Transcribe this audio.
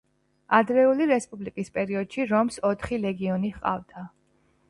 ადრეული რესპუბლიკის პერიოდში რომს ოთხი ლეგიონი ჰყავდა.